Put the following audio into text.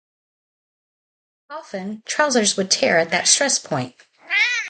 Often trousers would tear at that stress point.